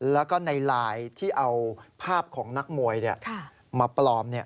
แล้วก็ในไลน์ที่เอาภาพของนักมวยมาปลอม